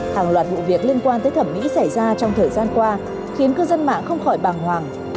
hàng loạt vụ việc liên quan tới thẩm mỹ xảy ra trong thời gian qua khiến cư dân mạng không khỏi bàng hoàng